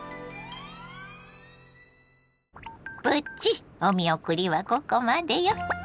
プチお見送りはここまでよ。